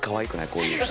こういう。